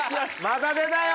また出たよ！